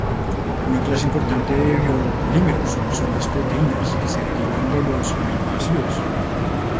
Una clase importante de biopolímeros son las proteínas, que se derivan de los aminoácidos.